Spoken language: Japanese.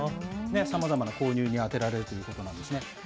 さまざまな購入に充てられるということなんですね。